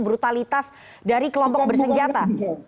brutalitas dari kelompok bersenjata